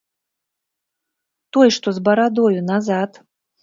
Той, што з барадою, назад.